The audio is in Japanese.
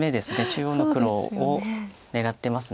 中央の黒を狙ってます。